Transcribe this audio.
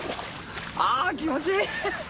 あぁ気持ちいい！